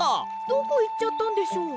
どこいっちゃったんでしょう？